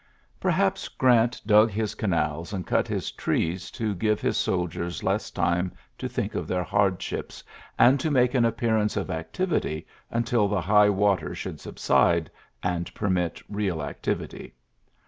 Perhaps Orant dug his canals i his trees to give his soldiers less i think of their hardships^ and tc an appearance of activity untU tl water should subside and perm activity.